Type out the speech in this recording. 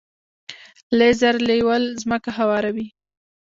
لیزر لیول ځمکه هواروي.